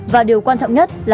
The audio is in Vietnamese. và điều quan trọng nhất là